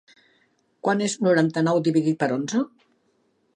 Quant és noranta-nou dividit per onze?